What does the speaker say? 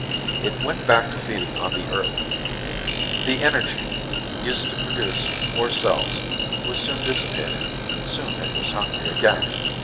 It went back to feeding on the Earth. The energy, used to produce more cells, was soon dissipated. Soon it was hungry again.